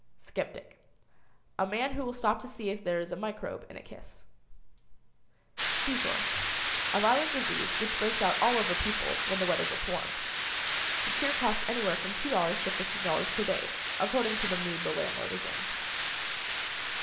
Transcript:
SCEPTIC. A man who will stop to see if there is a microbe in a kiss. SEASHORE. A violent disease which breaks out all over people when the weather gets warm. The cure costs anywhere from $2 to $15 per day, according to the mood the landlord is in.